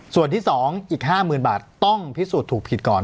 ส่วนที่๒อีก๕๐๐๐บาทต้องพิสูจน์ถูกผิดก่อน